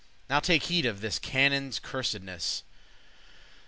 Now take heed of this canon's cursedness.